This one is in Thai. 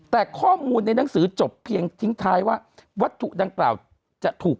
แต่ข้อมูลในหนังสือจบเพียงทิ้งท้ายว่าวัตถุดังกล่าวจะถูก